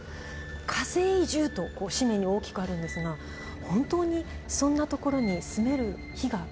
「火星移住」と紙面に大きくあるんですが本当にそんな所に住める日が来るんでしょうか？